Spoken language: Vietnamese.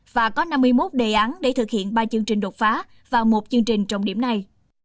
và có năm mươi một đề án để thực hiện ba chương trình đột phá và một chương trình trọng điểm này